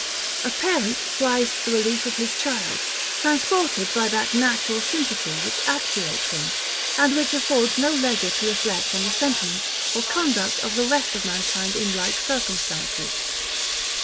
A parent flies to the relief of his child; transported by that natural sympathy which actuates him, and which affords no leisure to reflect on the sentiments or conduct of the rest of mankind in like circumstances.